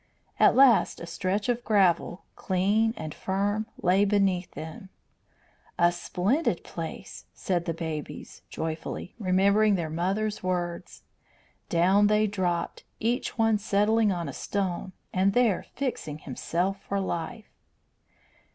At last a stretch of gravel, clean and firm, lay beneath them. "A splendid place," said the babies, joyfully, remembering their mother's words. Down they dropped, each one settling on a stone and there fixing himself for life.